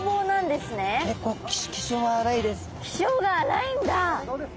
結構気性は荒いです。